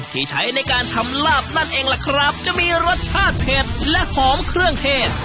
ที่ใช้ในการทำลาบนั่นเองล่ะครับจะมีรสชาติเผ็ดและหอมเครื่องเทศ